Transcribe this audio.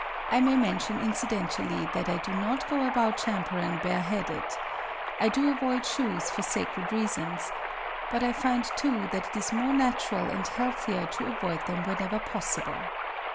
I may mention incidentally that I do not go about Champaran bare headed. I do avoid shoes for sacred reasons. But I find too that it is more natural and healthier to avoid them whenever possible.